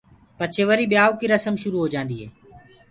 پڇي وري ٻيآئوٚ ڪيٚ رسم شُرو هوجآندي هي۔